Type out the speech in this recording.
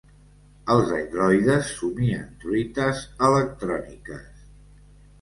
Els androides somien truites electròniques.